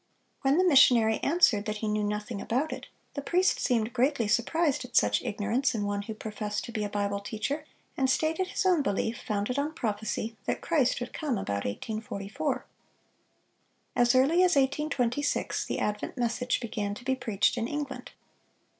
When the missionary answered that he knew nothing about it, the priest seemed greatly surprised at such ignorance in one who professed to be a Bible teacher, and stated his own belief, founded on prophecy, that Christ would come about 1844. As early as 1826 the advent message began to be preached in England.